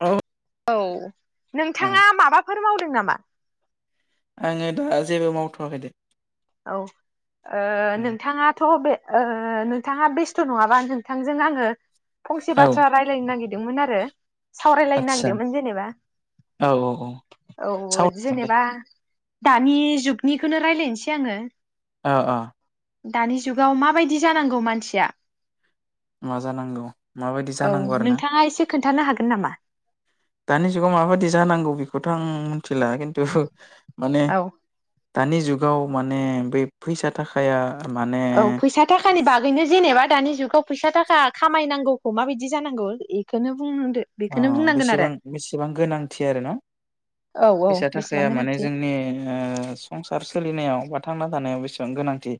औ औ औ नोंथाङा माबाफोर मावदों नामा? म आङो दा जेबो मावथ'वाखै दे औ नोंथाङाथ' बे नोंथाङा बेस्थ' नङाबा नोंथांजों आङो। फंसे औ बाथ्रा रायलायनो नागिरदोंमोन आरो सावरायलायनो आदसा नागिरदोंमोन जेनेबा औ औ औ औ सावरायगोन दे जेनेबा दानि जुगनिखौनो रायज्लायनोसै। आङो। ओ ओ दानि जुगाव माबायदि जानांगौ मानसिया मा जानांगौ माबायदि औ जानांगौ आरो ना नोंथाङा एसे खोन्थानो हागोन नामा? दानि जुगाव माबायदि जानांगौ बेखौथ' आं ला खिन्थु माने औ दानि जुगाव माने बै फैसा थाखाया माने औ फैसा थाखानि बागैनो जेनेबा दानि जुगाव फैसा थाखा खामायनांगौखौ माबायदि जानांगौ इखौनो ओबेसेबां बेसेबां गोनांथि आरो ना औ औ फैसा बेसेबां थाखाया माने गोनांथि जोंनि ओ संसार सोलिनायाव बा थांना थानायाव बेसेबां गोनांथि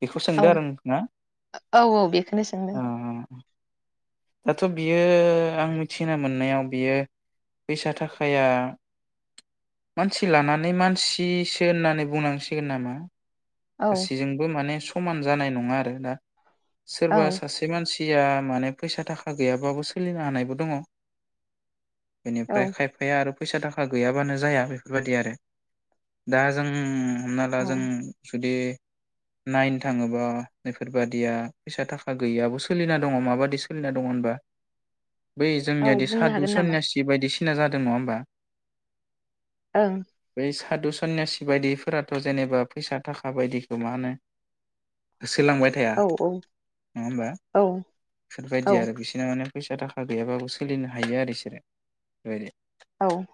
बेखौ औ सोंदो आरो नोंथाङा औ औ बेखौनो सोंदों। दाथ' बियो आं मिथिना मोननायाव बियो फैसा थाखाया मानसि लानानै मानसिसो होननानै बुंनांसिगोन नामा औ गासिजोंबो माने सम समान जानाय नङा आरो दा औ सोरबा सासे मानसि सिया माने फैसा थाखा गैयाबाबो सोलिनो हानायबो दङ' बेनिफ्राय औ खायफाया आरो फैसा थाखा गैयाबानो जाया बेफोरबादिआरो दा जों हमनाला औ जों जुदि नाइनो थाङोबा बेफोरबादिया फैसाथाखा गैयियाबो सोलिना दङ' माबादि सो सोलिना दङ' होनबा बै औ जोंनियादि बुंनो सादु हागोन नामा सयनासि बायदिसि सिना जादों नङाहोमबा? ओं। सादु सन्यसि बादिफोराथ जेनेबा फैसा थाखा बायदिखौ माहोनो गोस होलांबायथाया औ औ नङा होमबा औ औ बेफोरबायदि आरो बिसोर माने फैसा थाखा गैयाबाबो सोलिनो हायोआरो इसोरो बेबायदि। औ।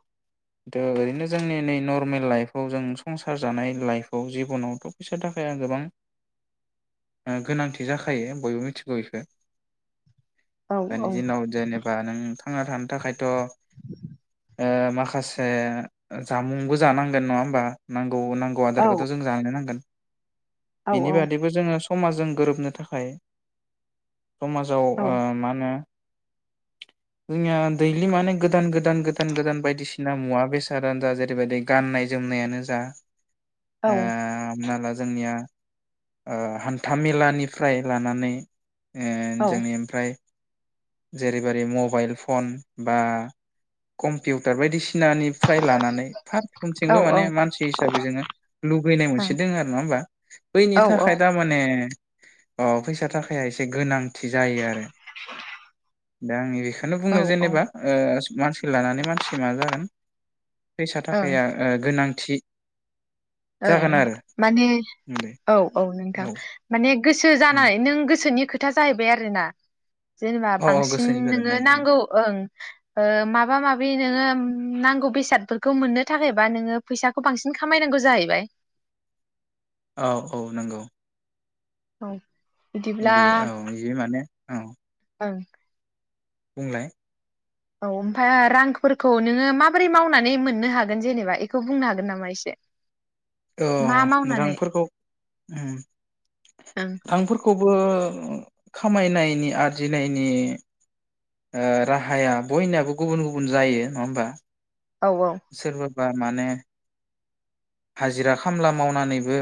दो ओरैनो जोंनि नै नरमेल लाइफआव जों संसार जानाय लाइफआव जिबनावथ फैसा थाखाय गोबां ओह गोनांथि जाखायो बयबो मिथिगौ इखो। औ औ दानि दिनाव जेनेबा नों थांनाथानो थाखायथ' ओह माखासे जामुंबो जानांगोन नङाहोमबा नां गौ नांगौ औ आदारखोथ' जों जाहैनो नांगोन। औ औ बिनिबादैबो जोङो सं समाज जों गोरोबनो थाखाय समाजाव ओह ओं माहोनो जोंनिया दैलि माने गोदान गोदान गोदान गोदान बायदिसिना मुवा बेसादानोजा जेरैबादि गाननाय जोमनायानोजा ओह आमनालाज जोंनिया ओ हान्था मेलानिफ्राय लानानै। ओं जोंनि औ ओमफ्राय। जेरैबारै मबाइल फन बा कम्पिउटार बायदिसि सिनानिफ्राय लानानै औ फारफ्रोमथिंबो माने मानसि हिसाबै जोङो लुगैनाय मोनसे दोंआरो नङा होमबा बैनि थाखाय दामाने। अह फैसा थाखाया एसे गोनांथि जायोआरो। [inaudible] दा आंनि बेखोनो बुङो औ औ जेनेबा ओ मानसिखो लानानै मानसिखौ मा जागोन फैसा ओं थाखाया ओ गोनां थि ओं माने बे औ औ नोंथां माने गोसो उम जानाय नों गोसोनि खो था जाहैबाय आरोना जेनेबा औ औ बांसिन गोसोनि नोङो गोरोबनाय बे औ नांगौ ओं ओ माबा माबि नोङो नांगौ बेसादफोरखौ मोननो थाखायबा नोङो फैसाखौ बांसिन खामायनांगौ जायो बाय औ औ नोंगौ औ बिदिब्ला दे औ जि माने औ ओं बुंलाय औ ओमफ्राय रांफोरखौ नोङो माबोरै मावनानै मोननो हागोन जेनेबा एखौ बुंनो हागोन नामा एसे औ मा मावनानै रांफोरखौ ओं ओं रांफोरखौ खौबो खामायनायनि आरजिनायनि ओ राहाया बयनियाबो गुबुन गुबुन जायो नङा होमबा औ औ बा माने हाजिरा खामला मावनानैबो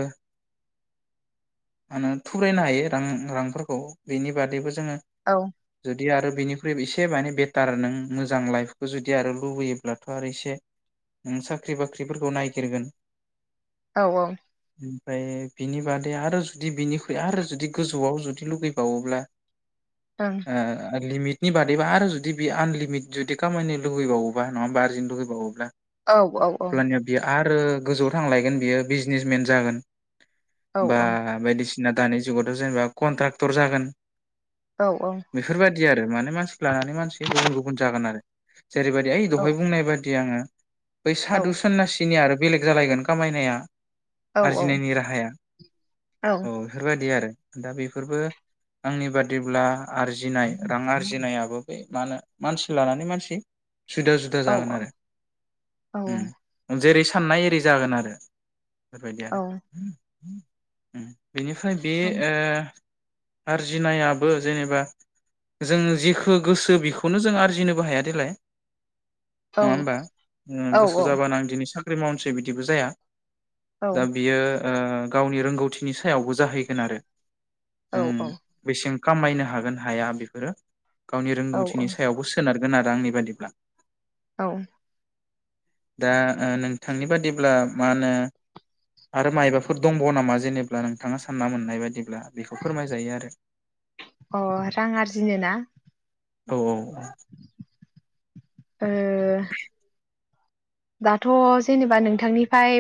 थुरायनो हायो रांफोरखौ बेनि बादैबो औ [inaudible] जुदि आरो बिनिख्रुइ एसे माने बेटार नों मोजां लाइफखौ जुदि आरो लुबैयोब्लाथ आरो इसे नों साख्रि बाख्रिफोरखौ नायगिरगोन औ औ ओमफ्राय बिनि बादै आरो जुदि बिनिख्रुइ आरो जुदि गोजौआव जुदि लुगैबावोब्ला औ ओं ओ लिमिट नि बादैबा आरो जुदि बेयो आनलिमिट जुदि कामायनो लुगैबावोबा नङा होमबा आरजिनो लुगैबावोब्ला औ औ ब्लाअब्लानिया बियो आर आरो गोजौआव थांलायगोन बियो बिजनेसमेन जागोन औ बा बायदिसि जोंना दानि जुगावथ जेनेबा कन्ट्रक्टर जागोन औ बेफोरबायदि आरो माने मानसिखौ लानानै मानसि गुबुन गुबुन जागोन आरो जेरैबायाददि ओइ दहाय बुंनाय बादि आङो बै औ सादु सन्नासिनि आरो बेलेग जालायगोन कामायनाया औ आरजिनायनि राहाया औ बेफोरबायदि आरो दा बेफोरबो आंनि बादिब्ला आरजिनाय रां आरजिनायाबो मा होन मानसि लानानै मानसि जुदा जुदा औ जागोन आरो औ औ उम जेरै साननाय एरि जागोन आरो बेफोरबायदि आरो। उम बेनिफ्राय बे ओ आरजिनायाबो जेनेबा जों जेख गोसो बेखौनो जों आरजिनोबो हाया देलाय। नङा होमबा। ओंङो गोसो जाबानो आं दि साख्रि मावनोसै बिदिबो जाया। दा बियो ओ गावनि रोंगौथिनि सायावबो जाहैगोन आरो। जों बेसें। खामायनो हागोन हाया बेफोरो। गावनि रोंगौथिनि सायावबो सोनारगोन। गोनार आंनि बायिब्ला। औ दा नोंथांनि बादिब्ला मा होनो आरो मायबाफोर दंबावो नामा जेनेब्ला नोंथाङा सानना मोननाय बायदिब्ला। अ रां आरजिनो ना? औ-औ ओ दाथ जेनेबा नोंथांनिफ्राय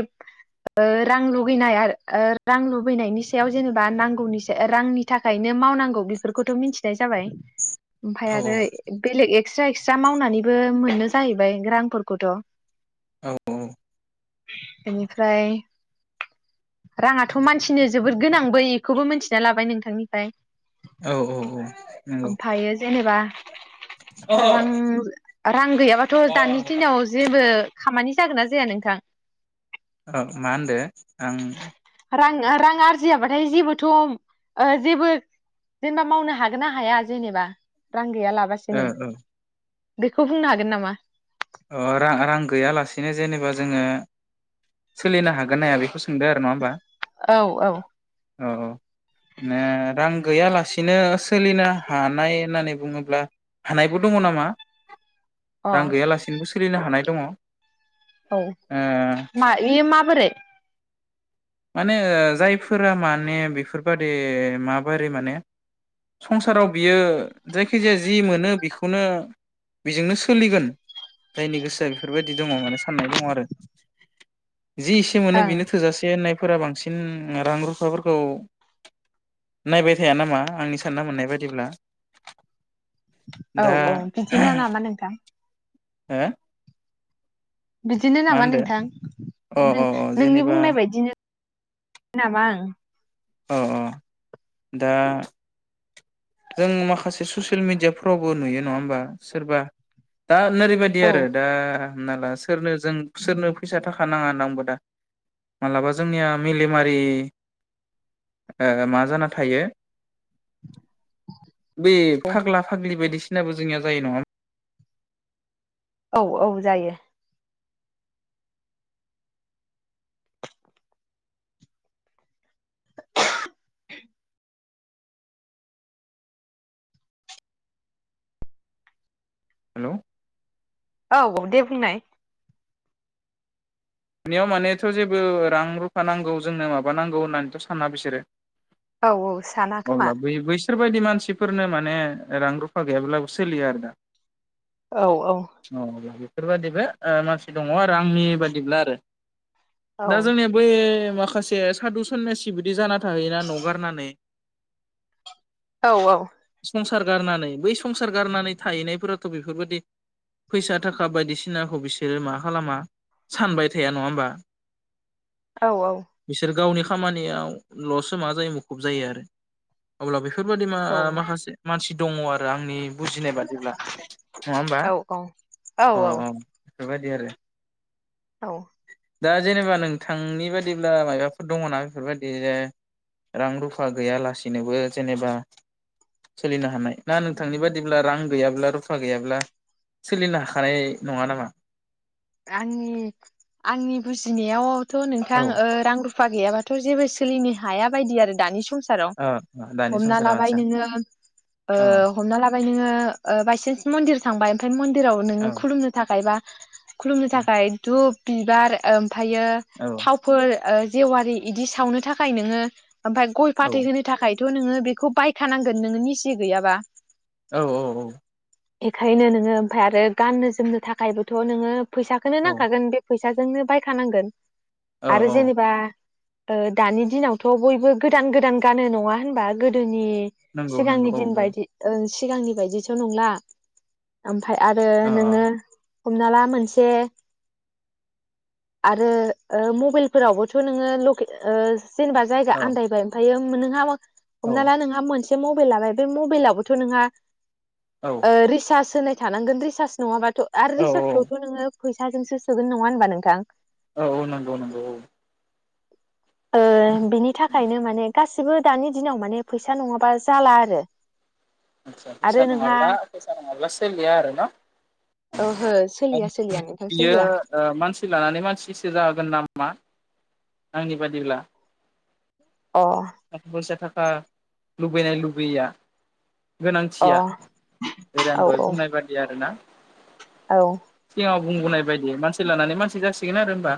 रां लुगैनाय रां लुबैनायनि सायाव जेनेबा नांगौनि रांनि थाखायनो मावनांगौ बेफोरखौथ मिथिनाय जाबाय ओमफ्राय औ आरो बेलेग एद एक्सट्रा-एक्सट्रा मावनानैबो मोननो जाहैबाय रांफोरखौथ। औ-औ बेनिफ्राय राङाथ मानसिनो जोबोद गोनां बै बेखौबो मिथिना लाबाय नोंथांनिफ्राय। औ औ नंगौ मा होनदो ओमफ्रायायो जेनेबा। आं ओ रां-रां गैयाबाथ दानि दिनाव जेबो। खामानि जागोन ना जाया नोंथां? औ मा होनदों आं। रां-रां आरजियाबाथाय जेबोथ जेबो जेनेबा मावनो हागोन ना हाया जेनेबा रां। गैया लाबासिनो। ओ बेखौ बुंनो हागोन नामा? ओं रां गैयालासेनो जेनेबा जोङो सोलिनो हागोन ना बेखौ। दो आरो ना होमबा? औ औ ओ औ-औ रां गैयालासिनो सोलिनो हानाय होननानै बुङोब्ला हानायबो दङ नामा? रां अ गैयालासे [unintelligible] हानाय दङ। औ ओ मा बे माबोरै माने ओ जायफोरा माने बेफोरबादि माबोरै माने संसाराव बियो जायखि जाया जि मोनो बेखौनो बेजोंनो सोलिगोन जायनि गोसोआ बेफोरबायदि दङ माने साननाय दङ आरो। [unintelligible] इसे मोनो ओं बेनो थोजासे नाय [unintelligible] बांसिन रां रुफाफोरखौ नायबाय थाया नामा? आंनि सानना मोननाय बायदिब्ला। औ दा औ बिदिनो नामा नोंथां? हो बिदिनो मा नामा होनदो नोंथां अ अ अ नोंनि जेनेबा बुंनाय बायदिनो। [unintelligible] औ औ। दा जों माखासे ससियेल मिडियाफ्रावबो नुयो नङा होमबा सोरबा। दा नोरैबायदि औ आरो दा [unintelligible] ला सोरनो जों सोरनो फैसा थाखा नाङा नांबो दा मा्लाबा जोंनिया मेलेमारि मा जाना थायो? बे फाग्ला फाग्लि बायदिसिना सिनाबो जोंनिया जायो नङा। औ औ जायो। हेल' औ औ दे बुंनाय। बिनियाव मानेथ' जेबो रां रुफा नांगौ जोंनो माबा नांगौ होननानैथ' साना बिसोरो। औ औ साना खोमा। बिफोरबायदि मानसिफोरनो माने रां रुफा गैयाब्लाबो सोलियो आरो दा औ [unintelligible] बेफोरबादिबो ओ मानसि दङ आरो आंनि बादिब्ला औ [unintelligible] दा जोंनि बै मा माखासे सादु सन्यासि बिदि जाना थाहैयोना न'गारनानै औ औ। संसार गारनानै बै संसार गारनानै थाहैनायफोराथ' बेफोरबायदि फैसा थाखा बायदिसिनाखौ बिसोरो मा खालामा सानबाय थ' गैया नङा होमबा। औ बिसोर गावनि खामानियावल'सो मा जायो मुखुब जायो आरो अब्ला बे बेफोरबायादि मा माखासे मानसि दङ आ आंनि बुजिनाय बादिब्ला नङा हबा अ अह आरो दा जेनेबा नोंथांनि बादिब्ला मायबाफोर दङना बेफोरबायदि रां रुफा गैयालासेनोबो जेनेबा सोलिनो हानाय ना नोंथांनि बादिब्ला रां गैयाब्ला रुफा गैयाब्ला सोलिनो हाखानाय नङा नामा? आंनि आंनि बुजिनायावथ' नोंथां औ ओ रां रु फा गैयाबाथ' जेबो सोलिनो हाया बायदि आरो दानि स संसाराव ओ ओ दानि हमना संसाराव लाबाय आदसा नोङो ओ औ हमना लाबाय नोङो ओ बायसेन्स मण्डिर थांबाय ओमफाय मोन राव नोङो औ खुलुमनो थाखाय बा खुलुमनो औ थाखाय धुप बिबार ओम ओमफायो औ थावफोर ओ जेवारि इदि सावनो थाखाय नोङो ओमफाय गय औ फाथै होनो थाखाय थ' नोङो बेखौ बायखानांगोन नोङो निसि गैयाबा। औ औ औ। बेखायनो नोङो ओमफाय आरो गाननो जोमनो थाखायबोथ' नोङो फैसाखोनो औ नांखागोन बे फैसाजोंनो बायखानांगोन औ आरो औ जेनेबा ओ दानि दिनावथ' बयबो गोदान गोदान गानो नङा होनबा गोदोनि नंगौ सिगांनि नंगौ औ दिन बादि ओ सिगांनि बायदिथ' नंला ओम फाय आरो औ नोङो हमना ला मोन से आरो ओ मबेलफोरावबोथ' नोङो ओ जेनेबा जायगा औ आन्दायबाय ओमफायो नोंहा औ हमना ला नोंहा मोन से मबेल लाबाय बे मबेलावबोथ' नोंहा औ ओ रिसास होननाय थानांगोन रिसार्ज नङाबा थ'आरो औ रिसार्च खौथ' नोङो फैसाजोंसो सोगोन नङा होनबा नोंथां। औ औ नोंगौ नोंगौ औ। ओ बिनि थाखायनो माने गासिबो दानि दिनाव माने फैसा नङाबा जाला आरो आदसा आरो फैसा नोंहा नङाब्ला फैसा नङाब्ला सोलिया आरो न। ओ बियो मानसि लानानै मानसिसो जागोन नामा? आंनि बादिब्ला अ थाख बैस थाख ओ लुबैनाय लुबैया। अ औ गोनांथिया जरै आं दहाय औ बुंनाय बादि आरोना। औ सिगाङाव बुंबोनाय बायदि मानसि लानानै मानसि सिगोन आरो होमबा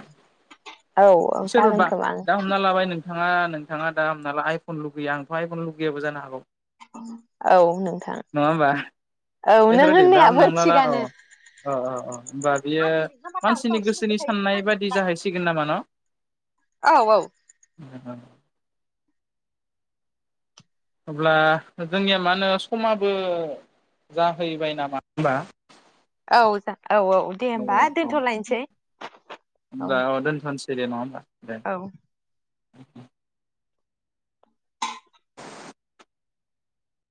औ औ जागोन सोरबा खोमा दा हमना लाबाय नों नोंथाङा नोंथाङा दा हमना ला आइफन लुगैयो आंथ' आइफन लुैयाबो जानो हागौ। औ नोंथां नङा होमबा औ नों होननायाबो थिगानो। अ अ अ होनोमबा बियो मानसिनि गोसोनि साननाय बादि जाहैसिगोन नामा न'। औ औ अब्ला जोंनिया मा होनो समाबो जाहैबाय नामा होनबा। औ जा औ औ दे होमबा दोनथ'लायनोसै औ। गेदेर नंङा होमबा। दे औ [inaudible]